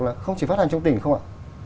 là không chỉ phát hành trong tỉnh không ạ